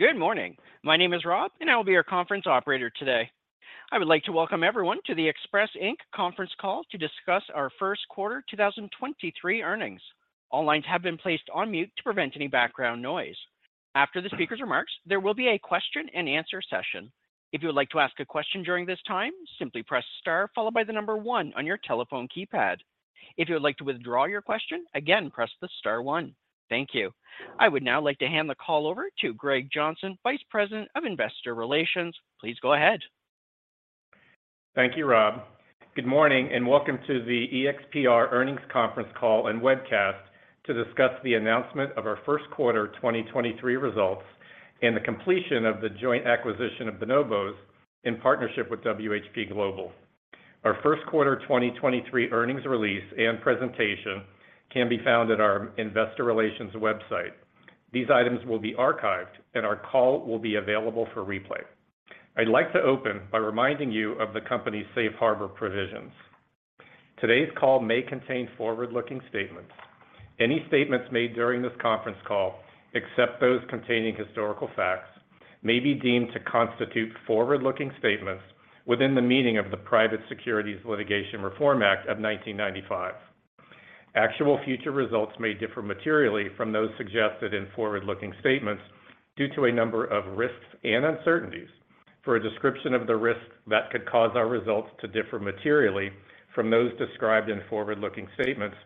Good morning. My name is Rob, and I will be your conference operator today. I would like to welcome everyone to the Express, Inc. Conference Call to discuss our first quarter 2023 earnings. All lines have been placed on mute to prevent any background noise. After the speaker's remarks, there will be a question-and-answer session. If you would like to ask a question during this time, simply press star followed by the one on your telephone keypad. If you would like to withdraw your question, again, Press the Star. Thank you. I would now like to hand the call over to Greg Johnson, Vice President of Investor Relations. Please go ahead. Thank you, Rob. Good morning. Welcome to the EXPR Earnings Conference Call and Webcast to discuss the announcement of our first quarter 2023 results and the completion of the joint acquisition of Bonobos in partnership with WHP Global. Our first quarter 2023 earnings release and presentation can be found at our investor relations website. These items will be archived and our call will be available for replay. I'd like to open by reminding you of the company's safe harbor provisions. Today's call may contain forward-looking statements. Any statements made during this Conference Call, except those containing historical facts, may be deemed to constitute forward-looking statements within the meaning of the Private Securities Litigation Reform Act of 1995. Actual future results may differ materially from those suggested in forward-looking statements due to a number of risks and uncertainties. For a description of the risks that could cause our results to differ materially from those described in forward-looking statements,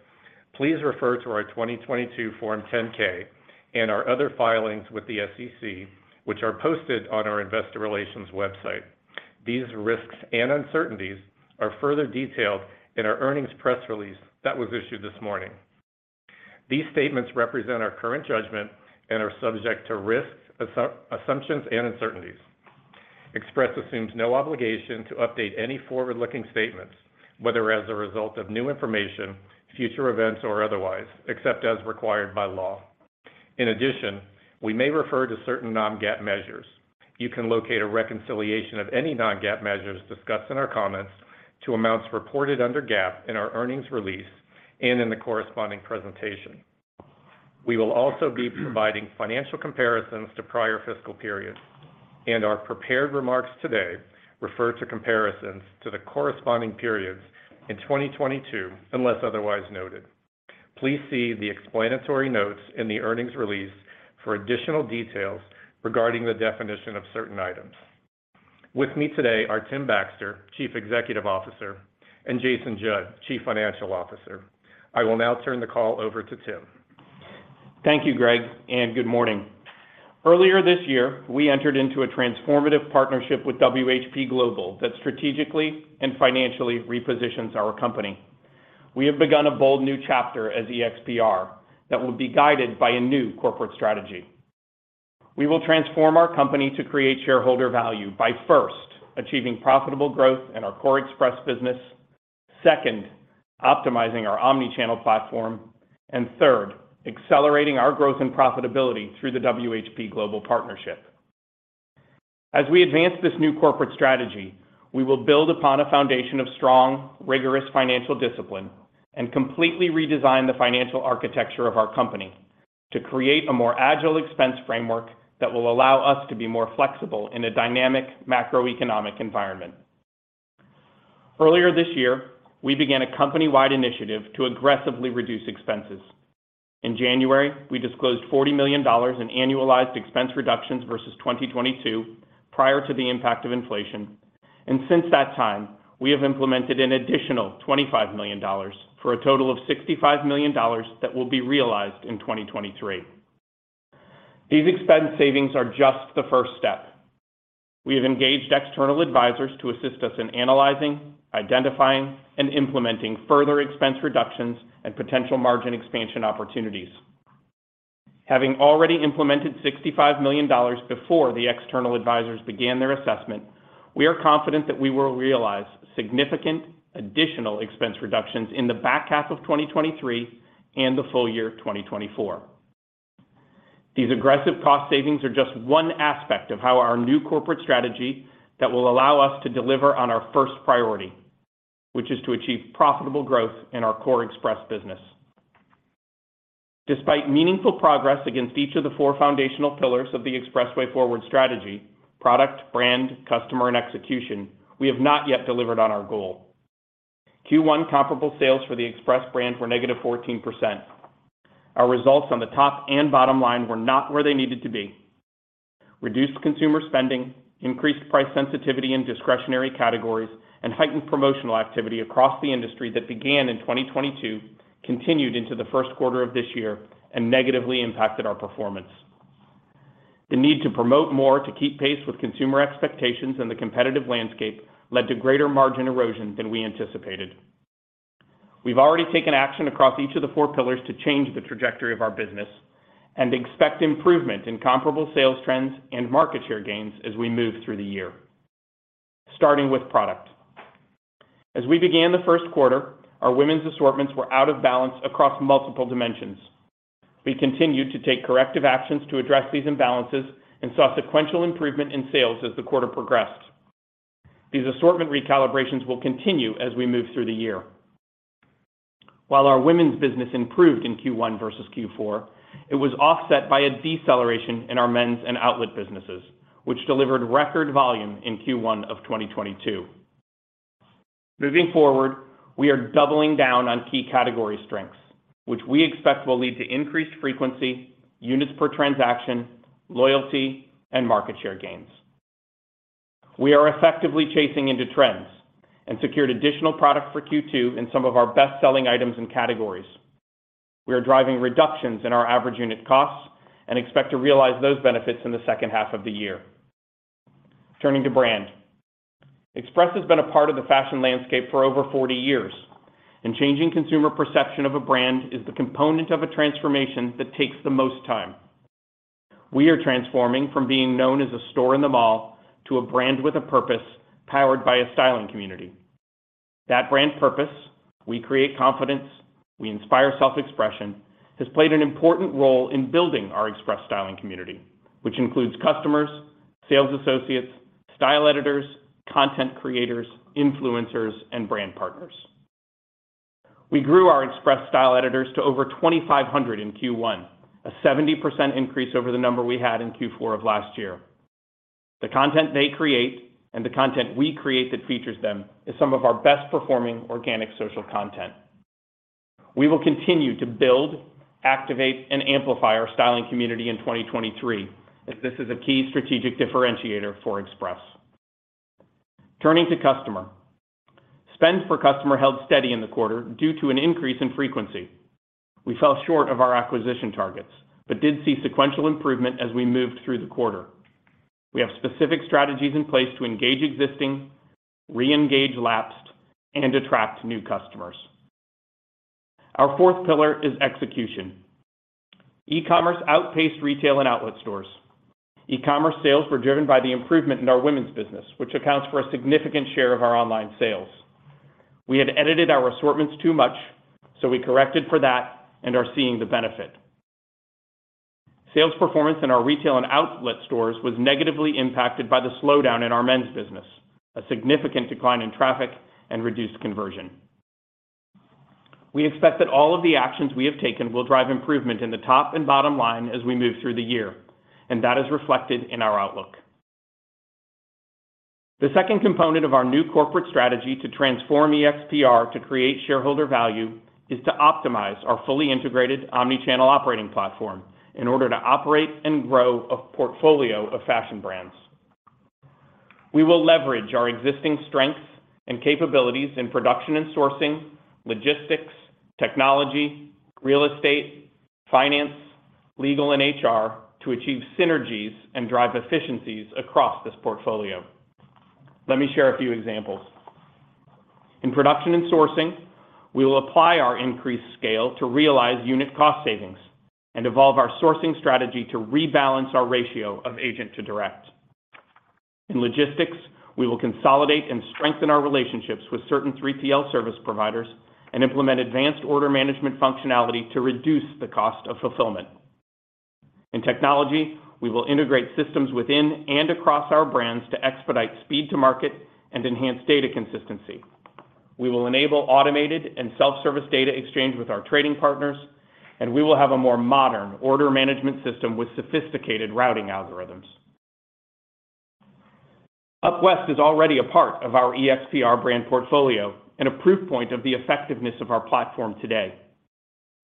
please refer to our 2022 Form 10-K and our other filings with the SEC, which are posted on our investor relations website. These risks and uncertainties are further detailed in our earnings press release that was issued this morning. These statements represent our current judgment and are subject to risks, assumptions, and uncertainties. Express assumes no obligation to update any forward-looking statements, whether as a result of new information, future events, or otherwise, except as required by law. In addition, we may refer to certain non-GAAP measures. You can locate a reconciliation of any non-GAAP measures discussed in our comments to amounts reported under GAAP in our earnings release and in the corresponding presentation. We will also be providing financial comparisons to prior fiscal periods, and our prepared remarks today refer to comparisons to the corresponding periods in 2022, unless otherwise noted. Please see the explanatory notes in the earnings release for additional details regarding the definition of certain items. With me today are Tim Baxter, Chief Executive Officer, and Jason Judd, Chief Financial Officer. I will now turn the call over to Tim. Thank you, Greg. Good morning. Earlier this year, we entered into a transformative partnership with WHP Global that strategically and financially repositions our company. We have begun a bold new chapter as EXPR that will be guided by a new corporate strategy. We will transform our company to create shareholder value by, first, achieving profitable growth in our core Express business. Second, optimizing our omni-channel platform. Third, accelerating our growth and profitability through the WHP Global partnership. As we advance this new corporate strategy, we will build upon a foundation of strong, rigorous financial discipline and completely redesign the financial architecture of our company to create a more agile expense framework that will allow us to be more flexible in a dynamic macroeconomic environment. Earlier this year, we began a company-wide initiative to aggressively reduce expenses. In January, we disclosed $40 million in annualized expense reductions versus 2022 prior to the impact of inflation. Since that time, we have implemented an additional $25 million for a total of $65 million that will be realized in 2023. These expense savings are just the first step. We have engaged external advisors to assist us in analyzing, identifying, and implementing further expense reductions and potential margin expansion opportunities. Having already implemented $65 million before the external advisors began their assessment, we are confident that we will realize significant additional expense reductions in the back half of 2023 and the full year 2024. These aggressive cost savings are just one aspect of how our new corporate strategy that will allow us to deliver on our first priority, which is to achieve profitable growth in our core Express business. Despite meaningful progress against each of the four foundational pillars of the Expressway Forward strategy, product, brand, customer, and execution, we have not yet delivered on our goal. Q1 comparable sales for the Express brand were negative 14%. Our results on the top and bottom line were not where they needed to be. Reduced consumer spending, increased price sensitivity in discretionary categories, and heightened promotional activity across the industry that began in 2022 continued into the first quarter of this year and negatively impacted our performance. The need to promote more to keep pace with consumer expectations and the competitive landscape led to greater margin erosion than we anticipated. We've already taken action across each of the four pillars to change the trajectory of our business and expect improvement in comparable sales trends and market share gains as we move through the year. Starting with product. As we began the first quarter, our women's assortments were out of balance across multiple dimensions. We continued to take corrective actions to address these imbalances and saw sequential improvement in sales as the quarter progressed. These assortment recalibrations will continue as we move through the year. While our women's business improved in Q1 versus Q4, it was offset by a deceleration in our men's and outlet businesses, which delivered record volume in Q1 of 2022. Moving forward, we are doubling down on key category strengths, which we expect will lead to increased frequency, units per transaction, loyalty, and market share gains. We are effectively chasing into trends and secured additional product for Q2 in some of our best-selling items and categories. We are driving reductions in our average unit costs and expect to realize those benefits in the second half of the year. Turning to brand. Express has been a part of the fashion landscape for over 40 years, and changing consumer perception of a brand is the component of a transformation that takes the most time. We are transforming from being known as a store in the mall to a brand with a purpose powered by a styling community. That brand purpose, we create confidence, we inspire self-expression, has played an important role in building our Express styling community, which includes customers, sales associates, Style Editors, content creators, influencers, and brand partners. We grew our Express Style Editors to over 2,500 in Q1, a 70% increase over the number we had in Q4 of last year. The content they create and the content we create that features them is some of our best-performing organic social content. We will continue to build, activate, and amplify our styling community in 2023, as this is a key strategic differentiator for Express. Turning to customer. Spend per customer held steady in the quarter due to an increase in frequency. We fell short of our acquisition targets, but did see sequential improvement as we moved through the quarter. We have specific strategies in place to engage existing, re-engage lapsed, and attract new customers. Our fourth pillar is execution. E-commerce outpaced retail and outlet stores. E-commerce sales were driven by the improvement in our women's business, which accounts for a significant share of our online sales. We had edited our assortments too much, so we corrected for that and are seeing the benefit. Sales performance in our retail and outlet stores was negatively impacted by the slowdown in our men's business, a significant decline in traffic, and reduced conversion. We expect that all of the actions we have taken will drive improvement in the top and bottom line as we move through the year. That is reflected in our outlook. The second component of our new corporate strategy to transform EXPR to create shareholder value is to optimize our fully integrated omni-channel operating platform in order to operate and grow a portfolio of fashion brands. We will leverage our existing strengths and capabilities in production and sourcing, logistics, technology, real estate, finance, legal, and HR to achieve synergies and drive efficiencies across this portfolio. Let me share a few examples. In production and sourcing, we will apply our increased scale to realize unit cost savings and evolve our sourcing strategy to rebalance our ratio of agent to direct. In logistics, we will consolidate and strengthen our relationships with certain 3PL service providers and implement advanced order management functionality to reduce the cost of fulfillment. In technology, we will integrate systems within and across our brands to expedite speed to market and enhance data consistency. We will enable automated and self-service data exchange with our trading partners, and we will have a more modern order management system with sophisticated routing algorithms. UpWest is already a part of our EXPR brand portfolio and a proof point of the effectiveness of our platform today.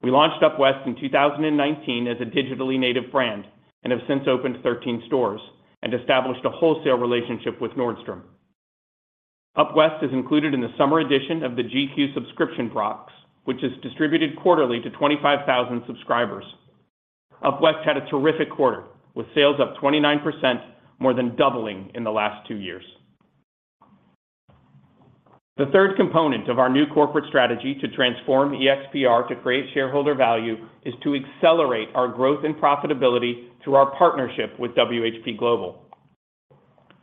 We launched UpWest in 2019 as a digitally native brand and have since opened 13 stores and established a wholesale relationship with Nordstrom. UpWest is included in the summer edition of the GQ subscription box, which is distributed quarterly to 25,000 subscribers. UpWest had a terrific quarter, with sales up 29%, more than doubling in the last two years. The third component of our new corporate strategy to transform EXPR to create shareholder value is to accelerate our growth and profitability through our partnership with WHP Global.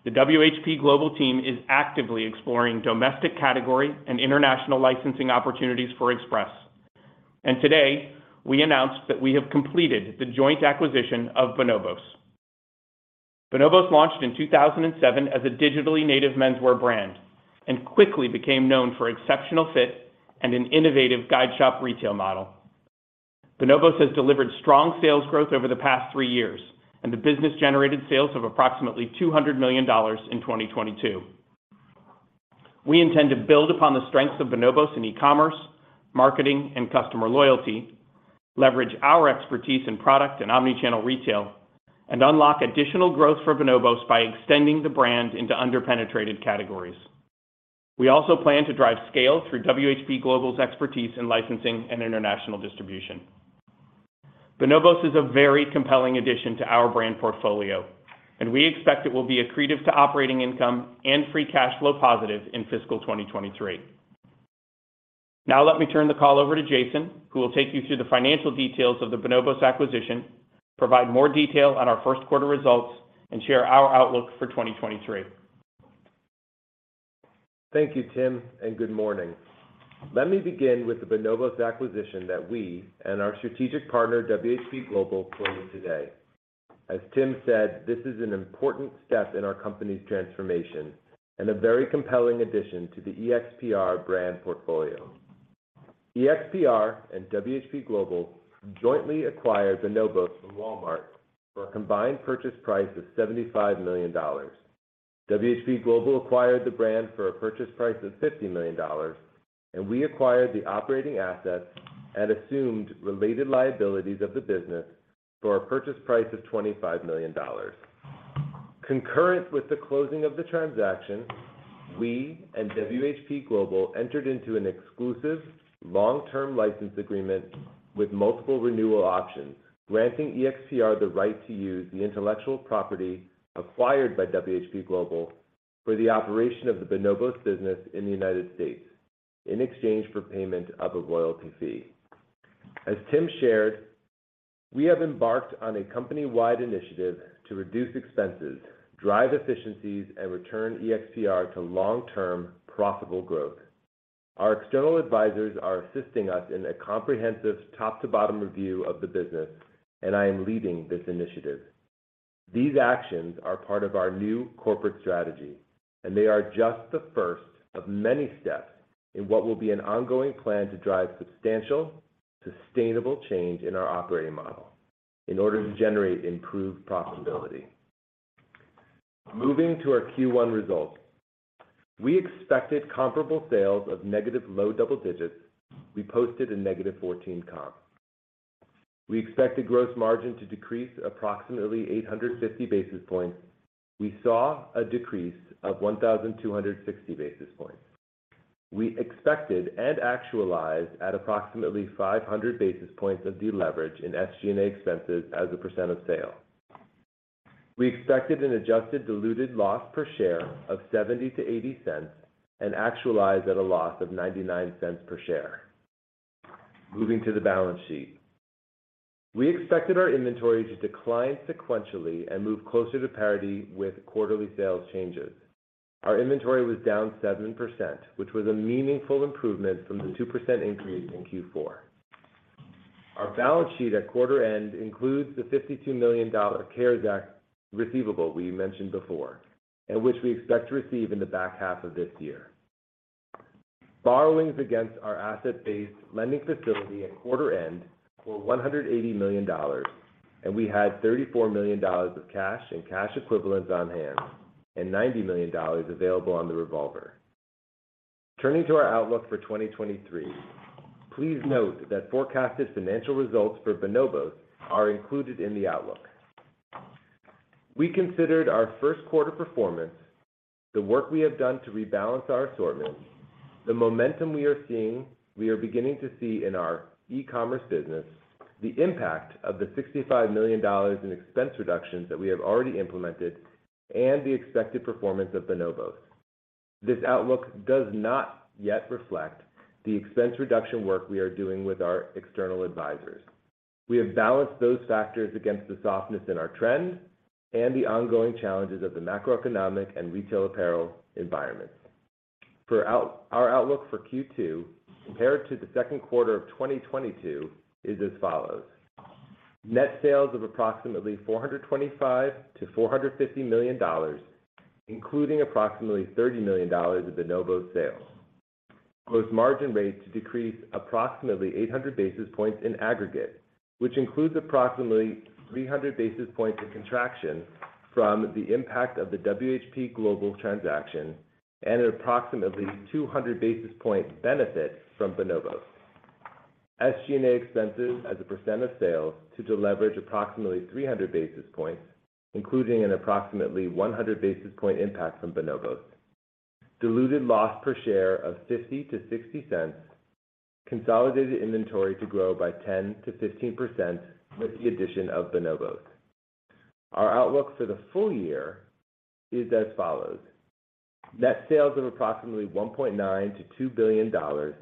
The WHP Global team is actively exploring domestic category and international licensing opportunities for Express. Today, we announced that we have completed the joint acquisition of Bonobos. Bonobos launched in 2007 as a digitally native menswear brand and quickly became known for exceptional fit and an innovative guide shop retail model. Bonobos has delivered strong sales growth over the past three years, and the business-generated sales of approximately $200 million in 2022. We intend to build upon the strengths of Bonobos in e-commerce, marketing, and customer loyalty, leverage our expertise in product and omni-channel retail, and unlock additional growth for Bonobos by extending the brand into under-penetrated categories. We also plan to drive scale through WHP Global's expertise in licensing and international distribution. Bonobos is a very compelling addition to our brand portfolio, and we expect it will be accretive to operating income and free cash flow positive in fiscal 2023. Now let me turn the call over to Jason, who will take you through the financial details of the Bonobos acquisition, provide more detail on our first quarter results, and share our outlook for 2023. Thank you, Tim. Good morning. Let me begin with the Bonobos acquisition that we and our strategic partner, WHP Global, closed today. As Tim said, this is an important step in our company's transformation and a very compelling addition to the EXPR brand portfolio. EXPR and WHP Global jointly acquired the Bonobos from Walmart for a combined purchase price of $75 million. WHP Global acquired the brand for a purchase price of $50 million, and we acquired the operating assets and assumed related liabilities of the business for a purchase price of $25 million. Concurrent with the closing of the transaction, we and WHP Global entered into an exclusive long-term license agreement with multiple renewal options, granting EXPR the right to use the intellectual property acquired by WHP Global for the operation of the Bonobos business in the United States in exchange for payment of a royalty fee. As Tim shared, we have embarked on a company-wide initiative to reduce expenses, drive efficiencies, and return EXPR to long-term profitable growth. Our external advisors are assisting us in a comprehensive top-to-bottom review of the business, and I am leading this initiative. These actions are part of our new corporate strategy, and they are just the first of many steps in what will be an ongoing plan to drive substantial, sustainable change in our operating model in order to generate improved profitability. Moving to our Q1 results. We expected comparable sales of negative low double digits. We posted a negative 14 comp. We expected gross margin to decrease approximately 850 basis points. We saw a decrease of 1,260 basis points. We expected and actualized at approximately 500 basis points of deleverage in SG&A expenses as a % of sale. We expected an adjusted diluted loss per share of $0.70-$0.80 and actualized at a loss of $0.99 per share. Moving to the balance sheet. We expected our inventory to decline sequentially and move closer to parity with quarterly sales changes. Our inventory was down 7%, which was a meaningful improvement from the 2% increase in Q4. Our balance sheet at quarter end includes the $52 million CARES Act receivable we mentioned before, and which we expect to receive in the back half of this year. Borrowings against our asset-based lending facility at quarter end were $180 million. We had $34 million of cash and cash equivalents on hand and $90 million available on the revolver. Turning to our outlook for 2023. Please note that forecasted financial results for Bonobos are included in the outlook. We considered our first quarter performance, the work we have done to rebalance our assortment, the momentum we are beginning to see in our e-commerce business, the impact of the $65 million in expense reductions that we have already implemented, and the expected performance of Bonobos. This outlook does not yet reflect the expense reduction work we are doing with our external advisors. We have balanced those factors against the softness in our trends and the ongoing challenges of the macroeconomic and retail apparel environments. Our outlook for Q2 compared to the second quarter of 2022 is as follows. Net sales of approximately $425 million-$450 million, including approximately $30 million of Bonobos sales. Gross margin rates decrease approximately 800 basis points in aggregate, which includes approximately 300 basis points of contraction from the impact of the WHP Global transaction and approximately 200 basis points benefit from Bonobos. SG&A expenses as a percent of sales to deleverage approximately 300 basis points, including an approximately 100 basis point impact from Bonobos. Diluted loss per share of $0.50-$0.60. Consolidated inventory to grow by 10%-15% with the addition of Bonobos. Our outlook for the full year is as follows. Net sales of approximately $1.9 billion-$2 billion,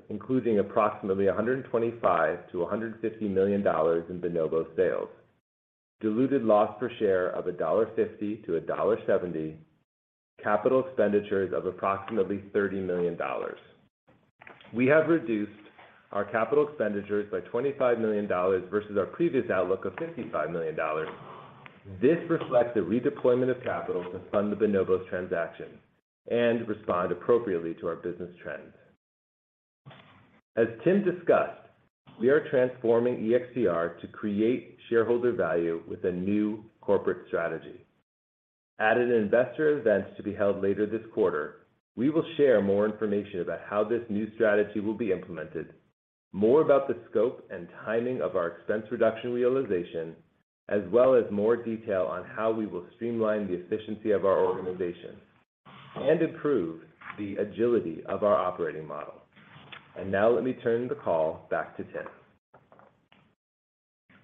including approximately $125 million-$150 million in Bonobos sales. Diluted loss per share of $1.50-$1.70. Capital expenditures of approximately $30 million. We have reduced our capital expenditures by $25 million versus our previous outlook of $55 million. This reflects a redeployment of capital to fund the Bonobos transaction and respond appropriately to our business trends. As Tim discussed, we are transforming EXPR to create shareholder value with a new corporate strategy. At an investor event to be held later this quarter, we will share more information about how this new strategy will be implemented, more about the scope and timing of our expense reduction realization, as well as more detail on how we will streamline the efficiency of our organization and improve the agility of our operating model. Now let me turn the call back to Tim.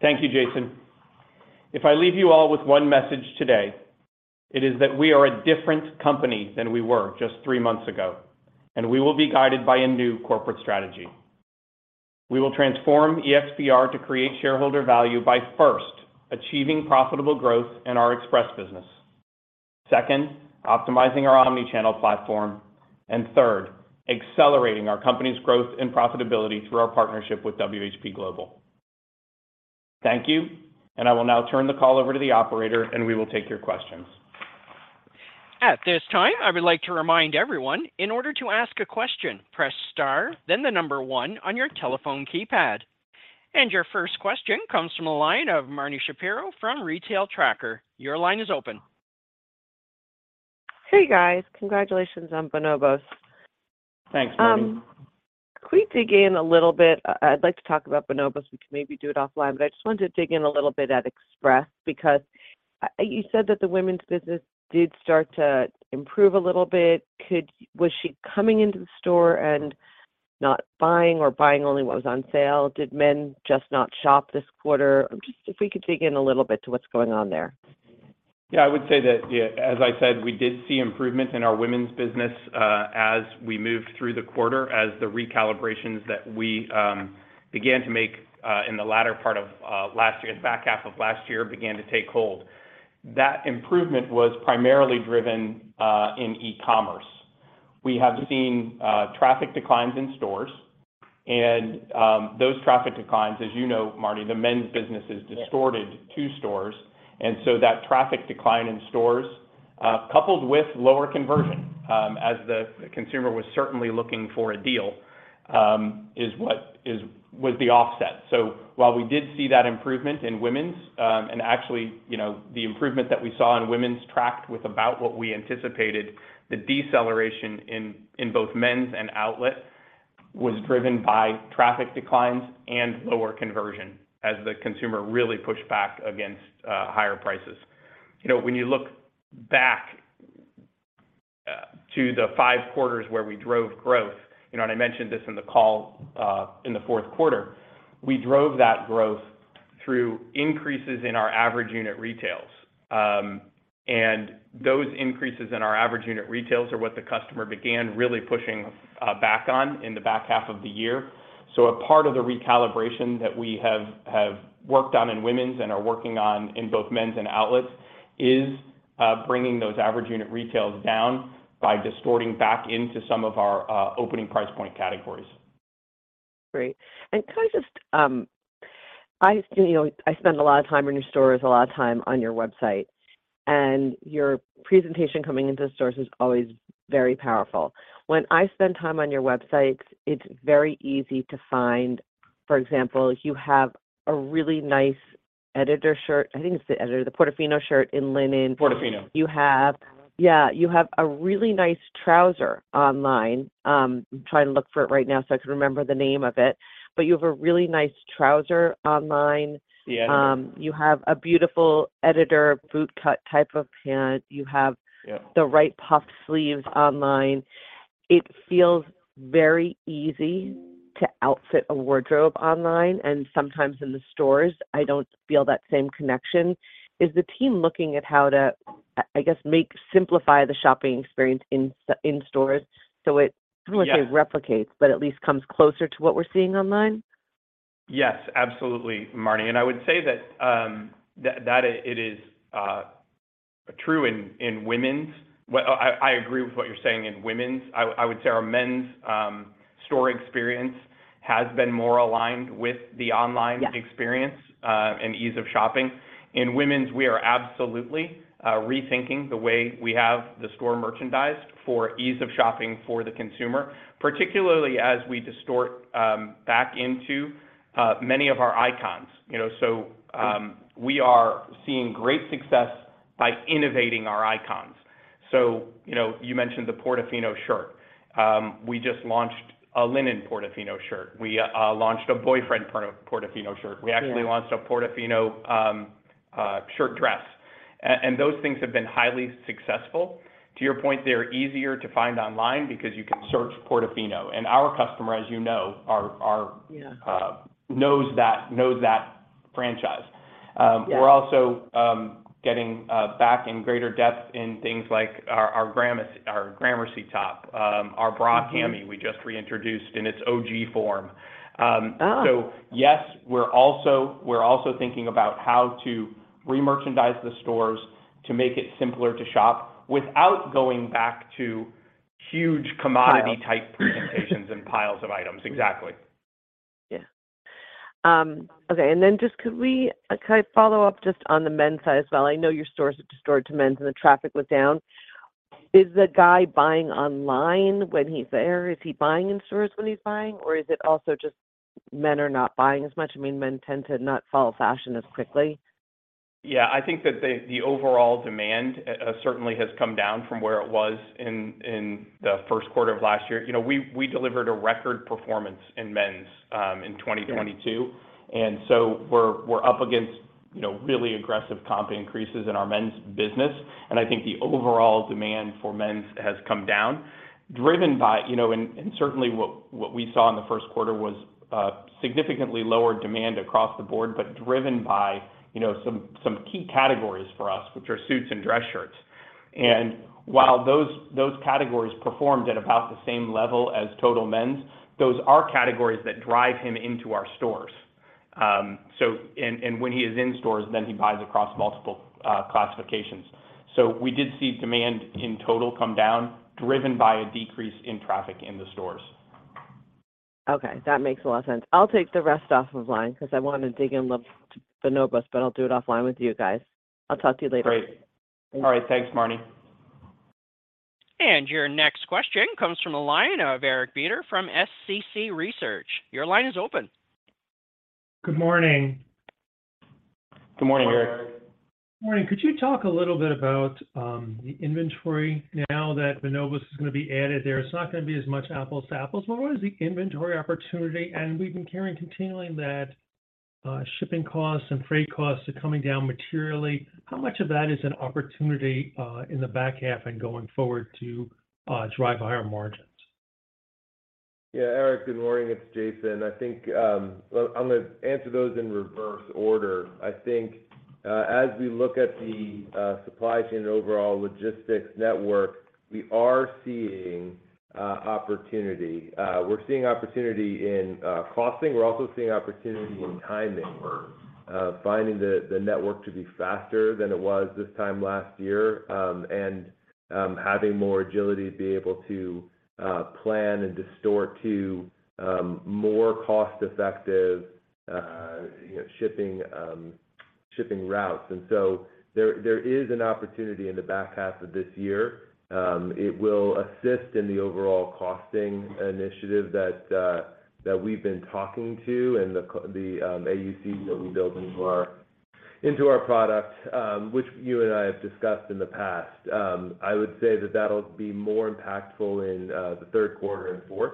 Thank you, Jason. If I leave you all with one message today, it is that we are a different company than we were just three months ago, and we will be guided by a new corporate strategy. We will transform EXPR to create shareholder value by first achieving profitable growth in our Express business. Second, optimizing our omni-channel platform. Third, accelerating our company's growth and profitability through our partnership with WHP Global. Thank you. I will now turn the call over to the operator, and we will take your questions. At this time, I would like to remind everyone, in order to ask a question, press star then the number one on your telephone keypad. Your first question comes from the line of Marni Shapiro from The Retail Tracker. Your line is open. Hey, guys. Congratulations on Bonobos. Thanks, Marni. Can we dig in a little bit? I'd like to talk about Bonobos, we can maybe do it offline, I just wanted to dig in a little bit at Express because you said that the women's business did start to improve a little bit. Was she coming into the store and not buying or buying only what was on sale? Did men just not shop this quarter? Just if we could dig in a little bit to what's going on there? Yeah, I would say that, yeah, as I said, we did see improvements in our women's business, as we moved through the quarter as the recalibrations that we began to make in the back half of last year began to take hold. That improvement was primarily driven in e-commerce. We have seen traffic declines in stores and those traffic declines, as you know, Marni, the men's business is distorted to stores. That traffic decline in stores, coupled with lower conversion, as the consumer was certainly looking for a deal, was the offset. While we did see that improvement in women's, and actually, you know, the improvement that we saw in women's tracked with about what we anticipated, the deceleration in both men's and outlet was driven by traffic declines and lower conversion as the consumer really pushed back against higher prices. You know, when you look back to the five quarters where we drove growth, you know, and I mentioned this in the call, in the fourth quarter. We drove that growth through increases in our average unit retails. And those increases in our average unit retails are what the customer began really pushing back on in the back half of the year. A part of the recalibration that we have worked on in women's and are working on in both men's and outlets is, bringing those average unit retails down by distorting back into some of our, opening price point categories. Great. Can I just I, you know, I spend a lot of time in your stores, a lot of time on your website, and your presentation coming into the stores is always very powerful. When I spend time on your websites, it's very easy to find, for example, you have a really nice Editor Shirt. I think it's the Editor, the Portofino Shirt in linen. Portofino. Yeah, you have a really nice trouser online. I'm trying to look for it right now so I can remember the name of it. You have a really nice trouser online. Yeah. You have a beautiful Editor boot cut type of pant. Yeah. the right puff sleeves online. It feels very easy to outfit a wardrobe online, and sometimes in the stores, I don't feel that same connection. Is the team looking at how to, I guess, simplify the shopping experience in stores? Yes. almost replicates, but at least comes closer to what we're seeing online? Yes, absolutely, Marni. I would say that it is true in women's. Well, I agree with what you're saying in women's. I would say our men's store experience has been more aligned with the online- Yeah. experience, and ease of shopping. In women's, we are absolutely rethinking the way we have the store merchandised for ease of shopping for the consumer, particularly as we distort back into many of our icons, you know. We are seeing great success by innovating our icons. You know, you mentioned the Portofino shirt. We just launched a linen Portofino shirt. We launched a boyfriend Portofino shirt. Yeah. We actually launched a Portofino shirt dress. Those things have been highly successful. To your point, they're easier to find online because you can search Portofino. Our customer, as you know, are. Yeah. knows that franchise. Yeah. We're also getting back in greater depth in things like our Gramercy top, our bra cami-. Mm-hmm. we just reintroduced in its OG form. Oh. Yes, we're also thinking about how to re-merchandise the stores to make it simpler to shop without going back to huge commodity. Piles. -type presentations and piles of items. Exactly. Yeah. Okay. Just Can I follow up just on the men's side as well? I know your stores are distorted to men's and the traffic was down. Is the guy buying online when he's there? Is he buying in stores when he's buying, or is it also just men are not buying as much? I mean, men tend to not follow fashion as quickly. Yeah. I think that the overall demand certainly has come down from where it was in the first quarter of last year. You know, we delivered a record performance in men's in 2022. Yeah. We're up against, you know, really aggressive comp increases in our men's business. I think the overall demand for men's has come down, driven by, you know. Certainly what we saw in the first quarter was significantly lower demand across the board, but driven by, you know, some key categories for us, which are suits and dress shirts. Yeah. While those categories performed at about the same level as total men's, those are categories that drive him into our stores. When he is in stores, then he buys across multiple classifications. We did see demand in total come down, driven by a decrease in traffic in the stores. Okay. That makes a lot of sense. I'll take the rest off of line 'cause I wanna dig in love to Bonobos, but I'll do it offline with you guys. I'll talk to you later. Great. Thanks. All right. Thanks, Marni. Your next question comes from the line of Eric Beder from SCC Research. Your line is open. Good morning. Good morning, Eric. Morning. Could you talk a little bit about the inventory now that Bonobos is gonna be added there? It's not gonna be as much apples to apples, but what is the inventory opportunity? We've been hearing continually that shipping costs and freight costs are coming down materially. How much of that is an opportunity in the back half and going forward to drive higher margins? Yeah. Eric, good morning. It's Jason. I think, well, I'm gonna answer those in reverse order. I think, as we look at the supply chain and overall logistics network, we are seeing opportunity. We're seeing opportunity in costing. We're also seeing opportunity in timing. We're finding the network to be faster than it was this time last year, and having more agility to be able to plan and distort to more cost effective, you know, shipping routes. There is an opportunity in the back half of this year. It will assist in the overall costing initiative that we've been talking to and the AUC that we build into our product, which you and I have discussed in the past. I would say that that'll be more impactful in the third quarter and fourth,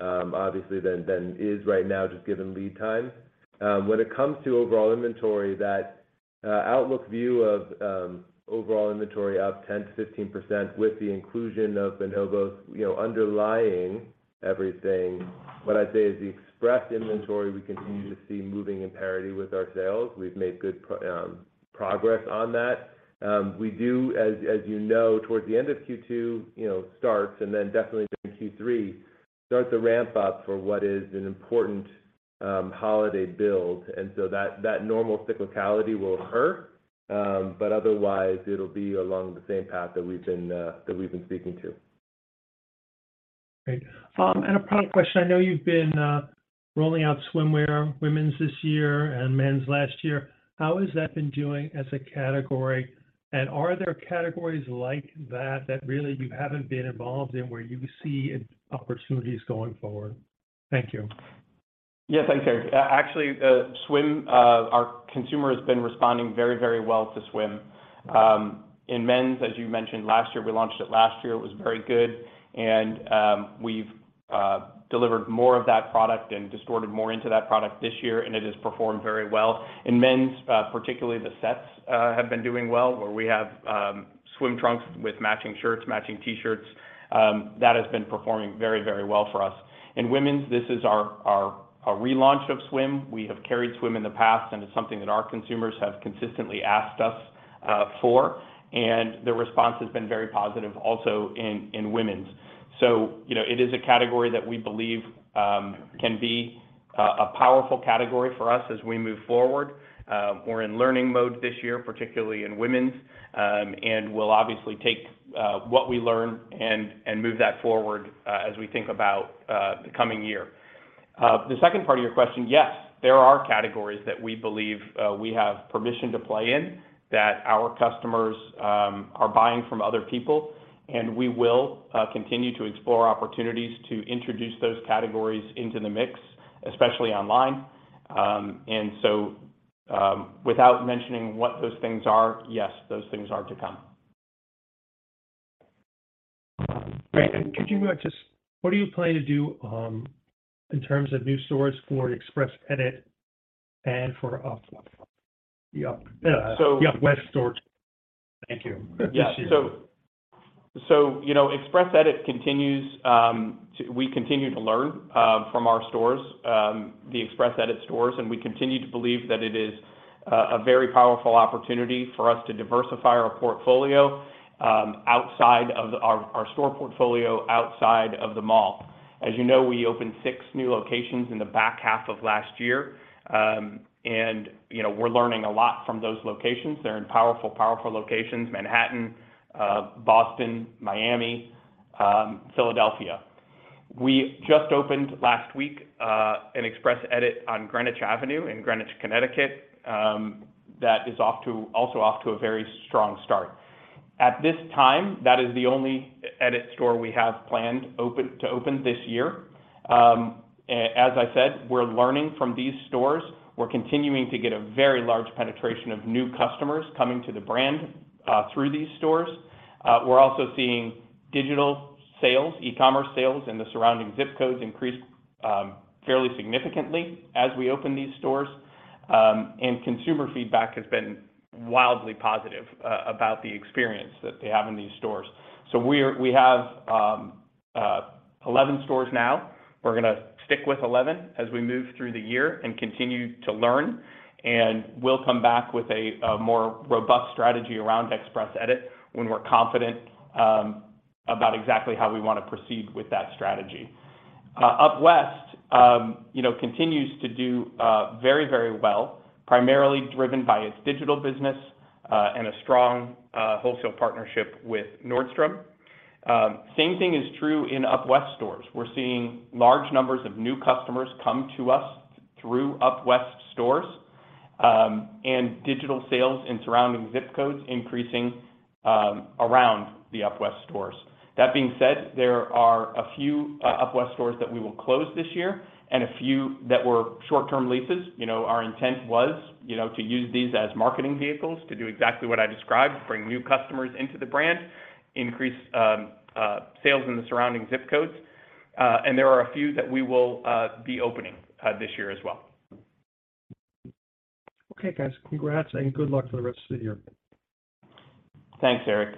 obviously than it is right now just given lead time. When it comes to overall inventory, that outlook view of overall inventory up 10%-15% with the inclusion of Bonobos, you know, underlying everything, what I'd say is the Express inventory, we continue to see moving in parity with our sales. We've made good progress on that. We do as you know, towards the end of Q2, you know, starts and then definitely during Q3 starts a ramp up for what is an important holiday build. That normal cyclicality will occur. Otherwise it'll be along the same path that we've been speaking to. Great. A product question. I know you've been rolling out swimwear, women's this year and men's last year. How has that been doing as a category? Are there categories like that that really you haven't been involved in where you see opportunities going forward? Thank you. Yes. Thanks, Eric. Actually, swim, our consumer has been responding very, very well to swim. In men's, as you mentioned, last year, we launched it last year. It was very good. We've delivered more of that product and distorted more into that product this year, and it has performed very well. In men's, particularly the sets have been doing well, where we have swim trunks with matching shirts, matching T-shirts. That has been performing very, very well for us. In women's, this is our relaunch of swim. We have carried swim in the past, and it's something that our consumers have consistently asked us for, and the response has been very positive also in women's. you know, it is a category that we believe, can be a powerful category for us as we move forward. We're in learning mode this year, particularly in women's. We'll obviously take what we learn and move that forward as we think about the coming year. The second part of your question, yes, there are categories that we believe, we have permission to play in that our customers are buying from other people, and we will continue to explore opportunities to introduce those categories into the mix, especially online. Without mentioning what those things are, yes, those things are to come. Great. What do you plan to do in terms of new stores for Express Edit and for the up? So-... the UpWest stores? Thank you. Yeah. This year. You know, Express Edit continues, we continue to learn from our stores, the Express Edit stores, and we continue to believe that it is a very powerful opportunity for us to diversify our portfolio outside of our store portfolio, outside of the mall. As you know, we opened six new locations in the back half of last year. You know, we're learning a lot from those locations. They're in powerful locations: Manhattan, Boston, Miami, Philadelphia. We just opened last week an Express Edit on Greenwich Avenue in Greenwich, Connecticut, that is also off to a very strong start. At this time, that is the only Edit store we have planned to open this year. As I said, we're learning from these stores. We're continuing to get a very large penetration of new customers coming to the brand, through these stores. We're also seeing digital sales, e-commerce sales in the surrounding ZIP codes increase, fairly significantly as we open these stores. Consumer feedback has been wildly positive about the experience that they have in these stores. We have 11 stores now. We're gonna stick with 11 as we move through the year and continue to learn, and we'll come back with a more robust strategy around Express Edit when we're confident about exactly how we wanna proceed with that strategy. UpWest, you know, continues to do very, very well, primarily driven by its digital business, and a strong wholesale partnership with Nordstrom. Same thing is true in UpWest stores. We're seeing large numbers of new customers come to us through UpWest stores, and digital sales and surrounding zip codes increasing, around the UpWest stores. That being said, there are a few UpWest stores that we will close this year and a few that were short-term leases. You know, our intent was, you know, to use these as marketing vehicles to do exactly what I described, bring new customers into the brand, increase sales in the surrounding zip codes, and there are a few that we will be opening this year as well. Okay, guys. Congrats and good luck for the rest of the year. Thanks, Eric.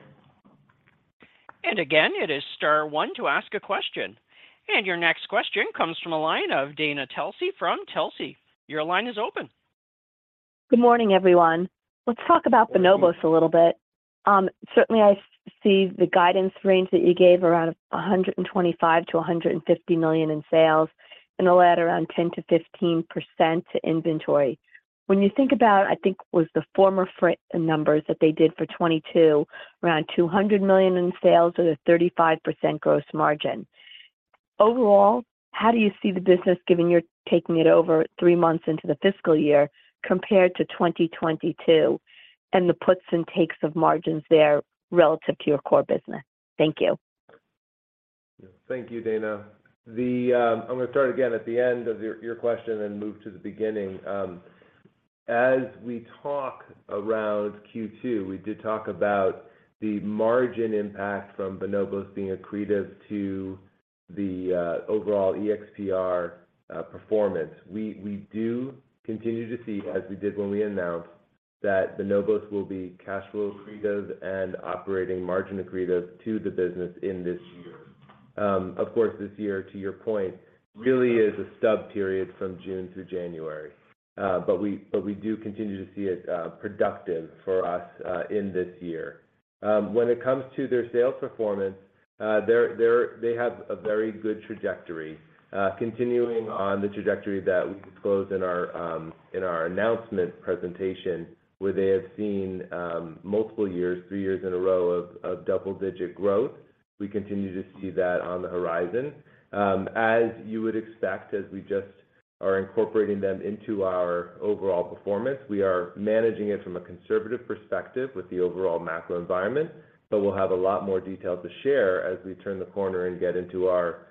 Again, it is star one to ask a question. Your next question comes from a line of Dana Telsey from Telsey. Your line is open. Good morning, everyone. Let's talk about Bonobos a little bit. Certainly I see the guidance range that you gave around $125 million-$150 million in sales and a lot around 10%-15% inventory. When you think about, I think it was the former numbers that they did for 2022, around $200 million in sales with a 35% gross margin. Overall, how do you see the business given you're taking it over three months into the fiscal year compared to 2022, and the puts and takes of margins there relative to your core business? Thank you. Thank you, Dana. I'm gonna start again at the end of your question and move to the beginning. As we talk around Q2, we did talk about the margin impact from Bonobos being accretive to the overall EXPR performance. We do continue to see, as we did when we announced, that Bonobos will be cash flow accretive and operating margin accretive to the business in this year. Of course this year, to your point, really is a stub period from June through January. We do continue to see it productive for us in this year. When it comes to their sales performance, they have a very good trajectory, continuing on the trajectory that we disclosed in our announcement presentation, where they have seen multiple years, three years in a row of double-digit growth. We continue to see that on the horizon. As you would expect, as we just are incorporating them into our overall performance, we are managing it from a conservative perspective with the overall macro environment. We'll have a lot more detail to share as we turn the corner and get into our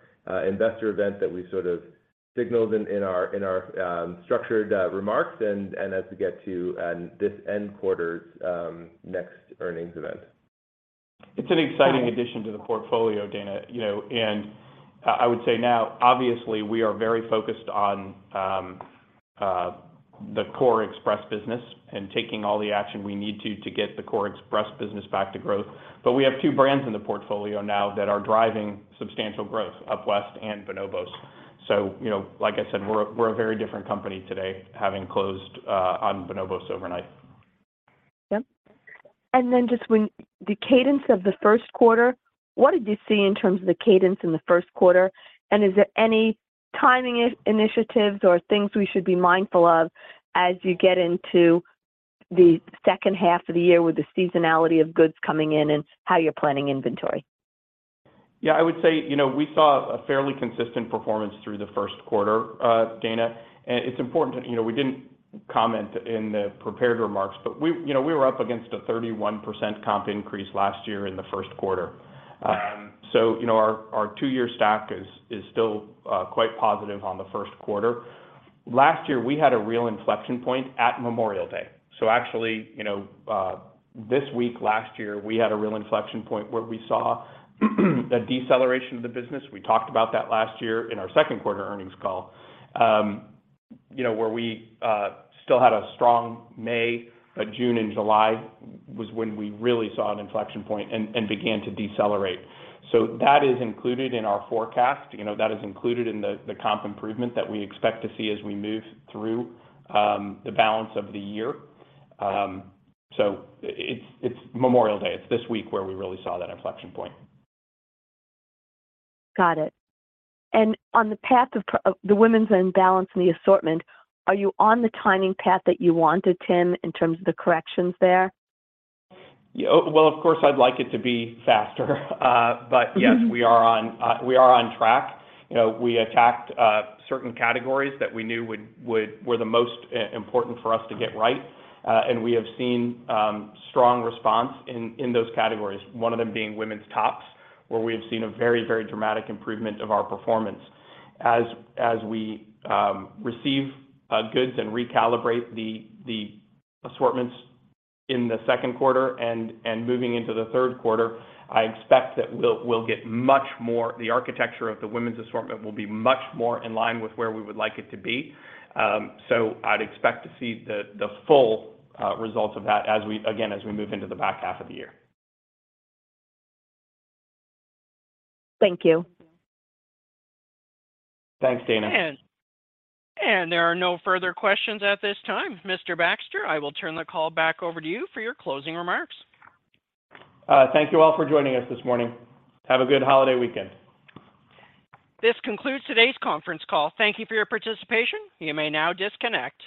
investor event that we sort of signaled in our structured remarks and as we get to this end quarter's next earnings event. It's an exciting addition to the portfolio, Dana, you know. I would say now, obviously, we are very focused on the core Express business and taking all the action we need to get the core Express business back to growth. We have two brands in the portfolio now that are driving substantial growth, UpWest and Bonobos. You know, like I said, we're a very different company today having closed on Bonobos overnight. Yep. Then just when the cadence of the first quarter, what did you see in terms of the cadence in the first quarter? Is there any timing initiatives or things we should be mindful of as you get into the second half of the year with the seasonality of goods coming in and how you're planning inventory? Yeah. I would say, you know, we saw a fairly consistent performance through the first quarter, Dana. You know, we didn't comment in the prepared remarks, but we, you know, we were up against a 31% comp increase last year in the first quarter. You know, our two year stack is still quite positive on the first quarter. Last year, we had a real inflection point at Memorial Day. Actually, you know, this week last year, we had a real inflection point where we saw the deceleration of the business. We talked about that last year in our second quarter earnings call. You know, where we still had a strong May. June and July was when we really saw an inflection point and began to decelerate. That is included in our forecast. You know, that is included in the comp improvement that we expect to see as we move through the balance of the year. It's Memorial Day. It's this week where we really saw that inflection point. Got it. On the path of the women's imbalance in the assortment, are you on the timing path that you wanted, Tim, in terms of the corrections there? Yeah. Well, of course, I'd like it to be faster. yes- Mm-hmm we are on, we are on track. You know, we attacked certain categories that we knew would were the most important for us to get right. And we have seen strong response in those categories, one of them being women's tops, where we have seen a very, very dramatic improvement of our performance. As we receive goods and recalibrate the assortments in the second quarter and moving into the third quarter, I expect that we'll get much more. The architecture of the women's assortment will be much more in line with where we would like it to be. So I'd expect to see the full results of that as we, again, as we move into the back half of the year. Thank you. Thanks, Dana. There are no further questions at this time. Mr. Baxter, I will turn the call back over to you for your closing remarks. Thank you all for joining us this morning. Have a good holiday weekend. This concludes today's Conference Call. Thank you for your participation. You may now disconnect.